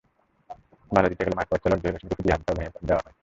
বাধা দিতে গেলে মাইক্রোবাসচালক জহির হোসেনকে পিটিয়ে হাত-পা ভেঙে দেওয়া হয়।